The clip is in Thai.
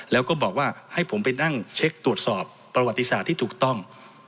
แล้วก็บอกว่าให้ผมไปนั่งเช็คตรวจสอบประวัติศาสตร์ที่ถูกต้อง